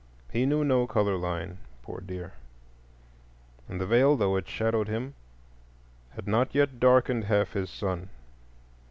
He knew no color line, poor dear—and the Veil, though it shadowed him, had not yet darkened half his sun.